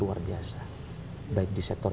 luar biasa baik di sektor